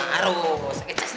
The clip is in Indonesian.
harus oke cas dulu